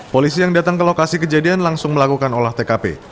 polisi yang datang ke lokasi kejadian langsung melakukan olah tkp